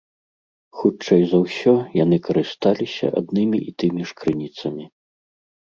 Хутчэй за ўсё, яны карысталіся аднымі і тымі ж крыніцамі.